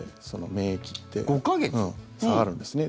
免疫って下がるんですね。